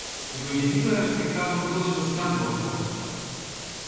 Recoñecido e respectado en todos os campos da Costa.